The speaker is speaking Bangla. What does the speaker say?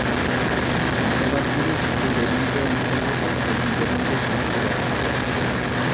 মতবাদগুলি সবই বেদান্তের অন্তর্গত এবং বেদান্তের সাহায্যে ব্যাখ্যাত।